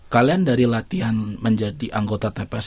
kalian dari latihan menjadi anggota tps lni apa prosesnya